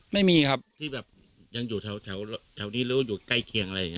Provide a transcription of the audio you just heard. ไม่มีครับที่แบบยังอยู่แถวนี้หรืออยู่ใกล้เคียงอะไรอย่างนี้